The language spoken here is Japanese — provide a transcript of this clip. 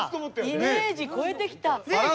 イメージ超えてきた。